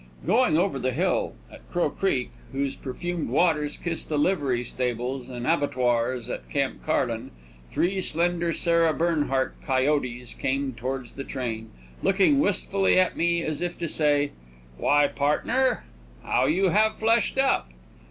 Going over the hill, at Crow Creek, whose perfumed waters kiss the livery stables and abattoirs at Camp Carlin, three slender Sarah Bernhardt coyotes came towards the train, looking wistfully at me as if to say: "Why, partner, how you have fleshed up!"